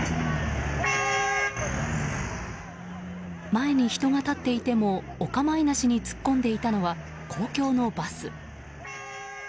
前に人が立っていてもお構いなしに突っ込んでいたのは公共のバス。